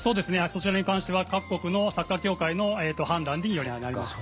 そちらに関しては各国のサッカー協会の判断にはなります。